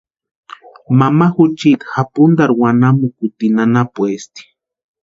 Mama juchiti japuntarhu wanamukutini anapuesti.